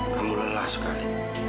kamu lelah sekali